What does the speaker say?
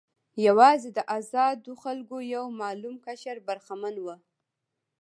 یوازې د آزادو خلکو یو معلوم قشر برخمن و.